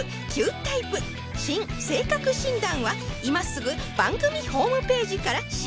タイプ新・性格診断は今すぐ番組ホームページから診断が可能